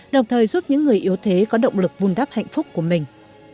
đồng thời giúp những người yếu thế có động lực vun đắp hạnh phúc của mình